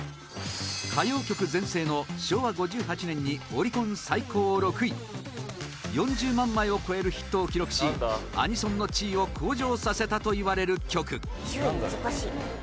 歌謡曲全盛の昭和５８年にオリコン最高６位４０万枚を超えるヒットを記録しアニソンの地位を向上させたといわれる曲２０位、難しい。